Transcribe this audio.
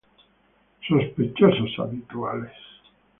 Sospechosos habituales.